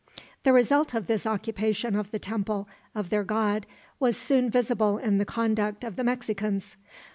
The result of this occupation of the temple of their god was soon visible in the conduct of the Mexicans.